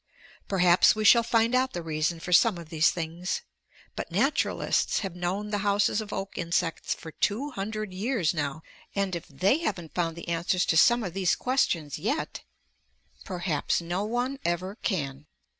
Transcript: Perhaps we shall find out the reason for some of these things. But naturalists have known the houses of oak insects for two hundred years now, and if they haven't found the answers to some of these questions yet, perhaps no one ever can.